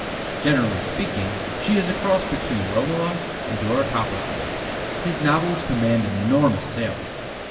Generally speaking, she is a cross between Romola and Dora Copperfield. His novels command enormous sales.